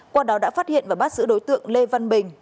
qua đó đã phát hiện và bắt giữ đối tượng lê văn bình